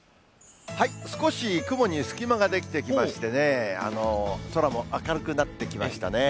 少し雲に隙間が出来てきましてね、空も明るくなってきましたね。